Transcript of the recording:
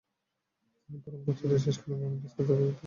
তিনি বরং বছরটা শেষ করলেন কংগ্রেসকে তার ইতিকর্তব্যের কথা স্মরণের মাধ্যমে।